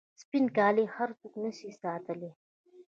سپین کالي هر څوک نسي ساتلای.